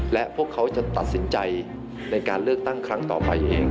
และพวกเขาจะตัดสินใจในการเลือกตั้งครั้งต่อไปเอง